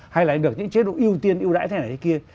hay là được những chế độ ưu tiên ưu đãi thế này thế kia